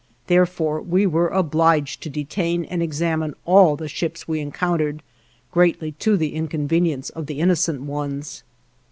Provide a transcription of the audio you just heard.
Therefore, we were obliged to detain and examine all the ships we encountered, greatly to the inconvenience of the innocent ones.